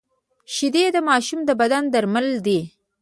شیدې د ماشوم د بدن درمل دي